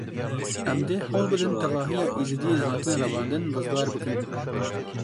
Em dê hewl bidin tevahiya Êzidiyên hatine revandin rizgar bikin.